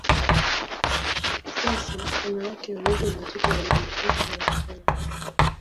Sasa, ana wake wawili na watoto wawili, wote wasichana.